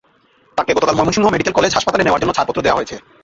তাঁকে গতকাল Mymensingh medical college হাসপাতালে নেওয়ার জন্য ছাড়পত্র দেওয়া হয়েছে।